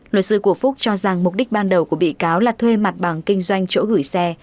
luật sư của phúc cho rằng mục đích ban đầu của bị cáo là thuê mặt bằng kinh doanh chỗ gửi xe